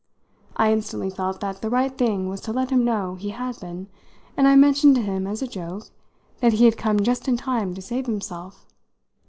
I instantly felt that the right thing was to let him know he had been, and I mentioned to him, as a joke, that he had come just in time to save himself.